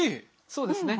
そうですね。